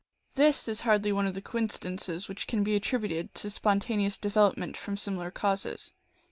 This is hardly one of the coincidences which can be attrilx uted to spontaneous development from similar causes.